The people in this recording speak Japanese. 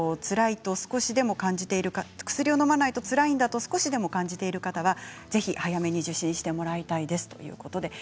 薬をのまないとつらいんだと少しでも感じている方はぜひ早めに受診してもらいたいですということです。